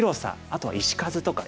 あとは石数とか。